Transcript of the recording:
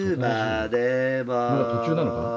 まだ途中なのかな？